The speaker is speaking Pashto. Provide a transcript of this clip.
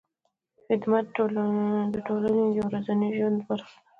خدمت د ټولنې د ورځني ژوند برخه ده.